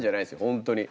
本当に。